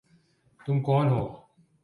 تم کون ہو؟